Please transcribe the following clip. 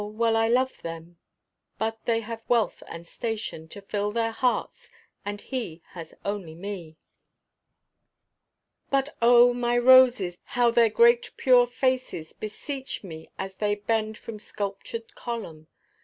well I love them but they have wealth and station To fill their hearts, and he has only me. But oh, my roses, how their great pure faces Beseech me as they bend from sculptured column.